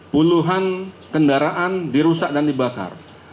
puluhan kendaraan dirusak dan dibakar